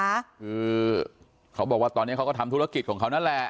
คือเขาบอกว่าตอนนี้เขาก็ทำธุรกิจของเขานั่นแหละ